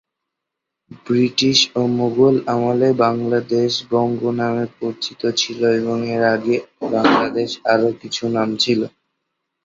British ও মোগল আমলে বাংলাদেশ বঙ্গ নামে পরিচিত ছিল এবং এর আগে আগে বাংলাদেশের আরো কিছু নাম ছিল।